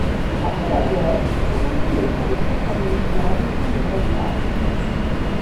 Après la guerre, il retourne auprès de sa famille dans la région de Breslau.